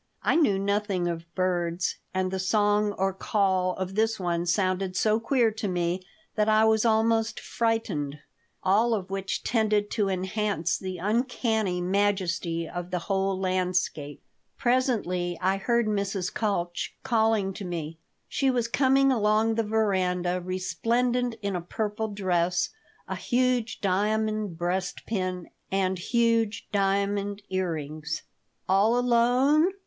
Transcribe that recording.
I knew nothing of birds, and the song or call of this one sounded so queer to me that I was almost frightened. All of which tended to enhance the uncanny majesty of the whole landscape Presently I heard Mrs. Kalch calling to me. She was coming along the veranda, resplendent in a purple dress, a huge diamond breastpin, and huge diamond earrings "All alone?